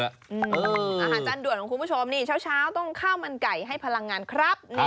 อาหารจานด่วนของคุณผู้ชมนี่เช้าต้องข้าวมันไก่ให้พลังงานครับ